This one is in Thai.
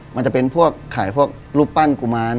มันจะเป็นพวกขายพวกรูปปั้นกุมาร